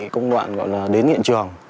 công đoạn gọi là đến hiện trường